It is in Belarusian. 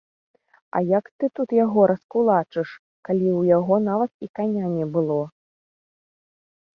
А як ты тут яго раскулачыш, калі ў яго нават і каня не было?